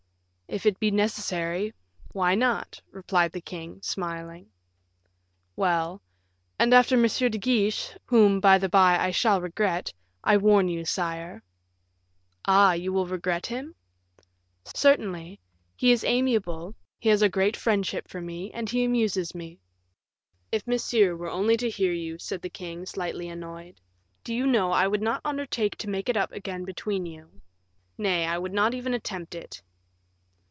"If it be necessary, why not?" replied the king, smiling. "Well; and after M. de Guiche whom, by the by, I shall regret I warn you, sire." "Ah, you will regret him?" "Certainly; he is amiable, he has a great friendship for me, and he amuses me." "If Monsieur were only to hear you," said the king, slightly annoyed, "do you know I would not undertake to make it up again between you; nay, I would not even attempt it."